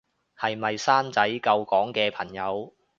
係咪生仔救港嘅朋友